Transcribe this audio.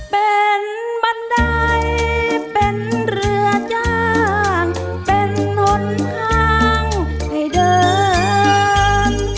เป็นบันไดเป็นเรือจ้างเป็นนค้างให้เดิน